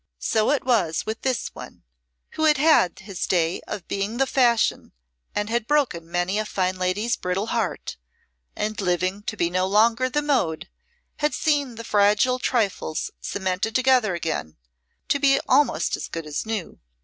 So it was with this one, who had had his day of being the fashion and had broken many a fine lady's brittle heart, and, living to be no longer the mode, had seen the fragile trifles cemented together again, to be almost as good as new.